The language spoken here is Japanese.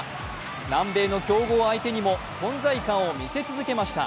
南米の強豪相手にも、存在感を見せ続けました。